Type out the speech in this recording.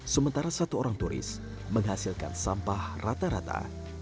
sementara satu orang turis menghasilkan sampah rata rata